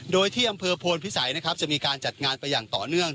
โดยที่อำเภอโพนพิสัยนะครับจะมีการจัดงานไปอย่างต่อเนื่อง